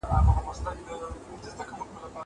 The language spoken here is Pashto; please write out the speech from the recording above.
کېدای سي نان تياره وي.